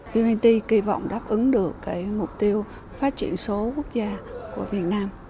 vnpt kỳ vọng đáp ứng được mục tiêu phát triển số quốc gia của việt nam